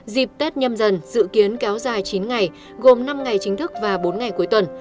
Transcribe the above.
dịp tết nhâm dần dự kiến kéo dài chín ngày gồm năm ngày chính thức và bốn ngày cuối tuần